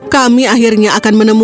kami akhirnya akan menemukanmu